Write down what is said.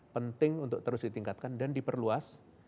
penting untuk terus ditingkatkan dan diperluas